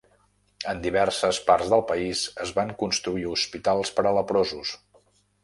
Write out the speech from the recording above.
En diverses parts del país es van construir hospitals per a leprosos.